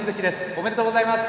おめでとうございます。